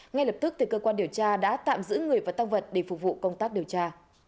ngay lập tức cơ quan điều tra đã tạm giữ người và tăng vật để phục vụ công tác điều tra